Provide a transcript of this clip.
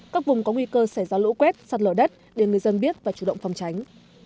các vùng có nguy cơ xảy ra lũ quét sạt lở đất để người dân biết và chủ động phòng tránh